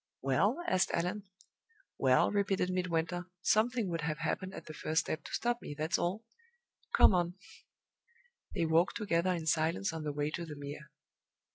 "Well?" asked Allan. "Well," repeated Midwinter, "something would have happened at the first step to stop me, that's all. Come on." They walked together in silence on the way to the Mere.